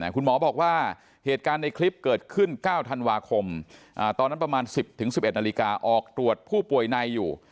คุณหมอบอกว่าเหตุการณ์ในคลิปเกิดขึ้น๙ธันวาคมตอนนั้นประมาณ๑๐๑๑นาฬิกาออกตรวจผู้ป่วยในอยู่